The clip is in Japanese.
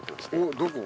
◆どこ？